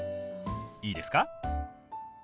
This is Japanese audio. いいですか？